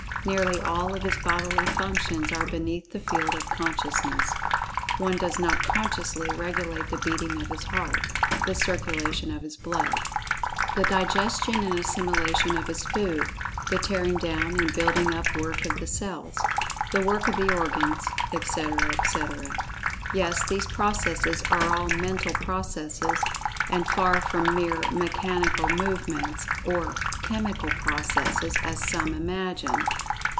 Nearly all of his bodily functions are beneath the field of consciousness—one does not consciously regulate the beating of his heart; the circulation of his blood; the digestion and assimilation of his food; the tearing down and building up work of the cells; the work of the organs, etc., etc. Yes, these processes are all mental processes, and far from mere "mechanical movements," or chemical processes, as some imagine.